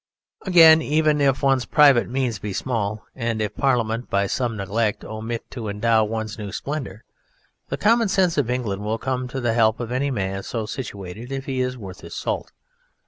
Again, even if one's private means be small, and if Parliament by some neglect omit to endow one's new splendour, the common sense of England will come to the help of any man so situated if he is worth his salt.